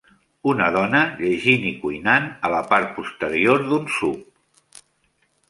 Una dona llegint i cuinant a la part posterior d'un SUV.